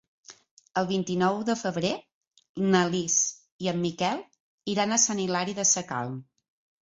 El vint-i-nou de febrer na Lis i en Miquel iran a Sant Hilari Sacalm.